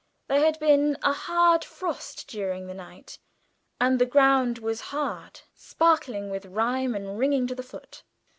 There had been a hard frost during the night, and the ground was hard, sparkling with rime and ringing to the foot.